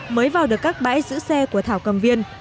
mới vào được các bãi giữ xe của thảo cầm viên